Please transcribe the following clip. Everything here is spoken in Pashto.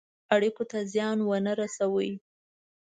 اړېکو ته زیان ونه رسوي.